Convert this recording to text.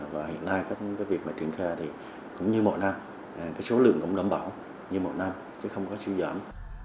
và hiện nay cái việc mà triển khai thì cũng như mỗi năm cái số lượng cũng đảm bảo như mỗi năm chứ không có suy giảm